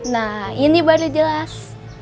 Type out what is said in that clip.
nah ini baru jelas